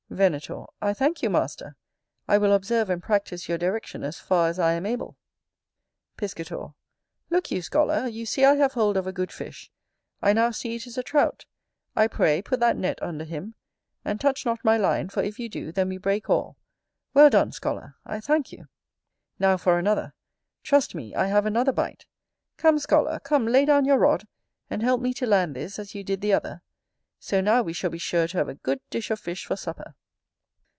Venator. I thank you, master. I will observe and practice your direction as far as I am able. Piscator. Look you, scholar; you see I have hold of a good fish: I now see it is a Trout. I pray, put that net under him; and touch not my line, for if you do, then we break all. Well done, scholar: I thank you. Now for another. Trust me, I have another bite. Come, scholar, come lay down your rod, and help me to land this as you did the other. So now we shall be sure to have a good dish of fish for supper.